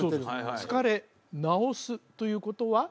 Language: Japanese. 疲れなおすということは？